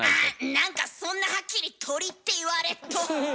何かそんなはっきり鳥って言われっと。